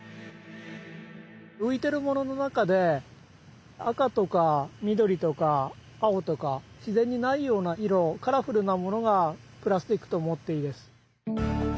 浮いてるものの中で赤とか緑とか青とか自然にないような色カラフルなものがプラスチックと思っていいです。